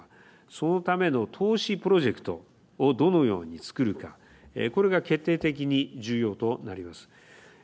そのための投資プロジェクトをどのように作るかこれが決定的に重要となります。